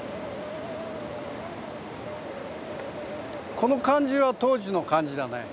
この感じは当時の感じだね